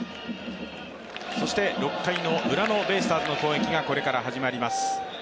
そして６回のウラのベイスターズの攻撃がこれから始まります。